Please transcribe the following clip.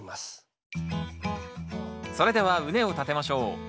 それでは畝を立てましょう。